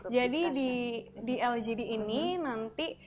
jadi di lgd ini nanti